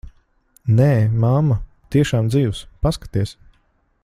Nē, mamma, tiešām dzīvs. Paskaties.